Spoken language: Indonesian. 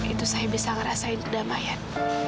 itu saya bisa ngerasain kedamaian